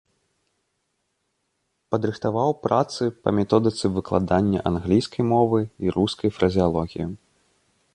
Падрыхтаваў працы па методыцы выкладання англійскай мовы і рускай фразеалогіі.